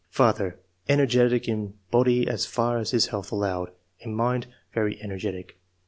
" Father — Energetic in body as far as his health allowed ; in mind, very energetic.